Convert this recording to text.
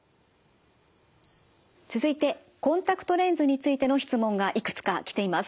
続いてコンタクトレンズについての質問がいくつか来ています。